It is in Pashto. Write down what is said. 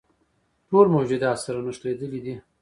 ټول موجودات سره نښلیدلي دي.